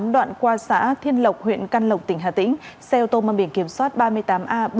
đoạn qua xã thiên lộc huyện căn lộc tỉnh hà tĩnh xe ô tô mang biển kiểm soát ba mươi tám a bốn mươi năm nghìn bảy trăm một mươi ba